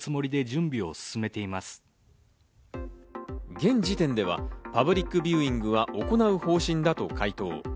現時点ではパブリックビューイングは行う方針だと回答。